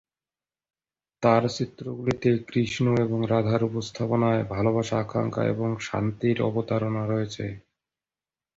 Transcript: তাঁর চিত্রগুলিতে, কৃষ্ণ এবং রাধার উপস্থাপনায় "ভালবাসা, আকাঙ্ক্ষা এবং শান্তি"র অবতারণা রয়েছে।